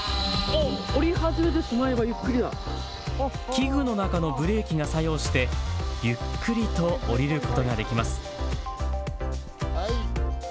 器具の中のブレーキが作用してゆっくりと降りることができます。